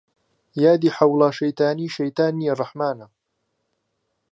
یادی حەوڵا شەیتانی شەیتان نیە ڕەحمانە